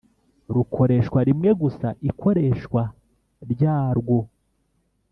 rukoreshwa rimwe gusa Ikoreshwa ryarwo